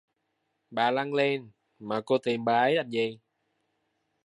Bà lăng len mà cô tìm bà ấy làm gì